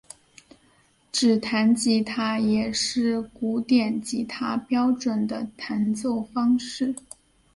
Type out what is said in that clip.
指弹吉他也是古典吉他标准的弹奏方式。